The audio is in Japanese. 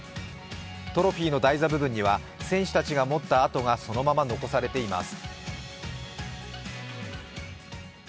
トロフィーの台座部分には選手たちが持った跡がそのまま残されています。